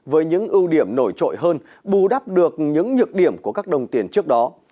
với những ưu điểm nổi trội hơn bù đắp được những nhược điểm của các đồng tiền trước đó